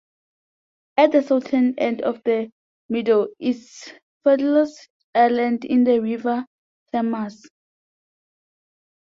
At the southern end of the meadow is Fiddler's Island in the River Thames.